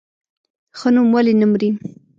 ښه نوم ولې نه مري؟